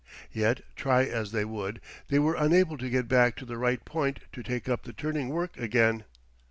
Yet try as they would, they were unable to get back to the right point to take up the turning work again.